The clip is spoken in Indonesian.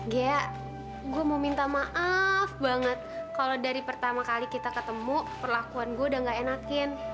ghea gue mau minta maaf banget kalau dari pertama kali kita ketemu perlakuan gue udah gak enakin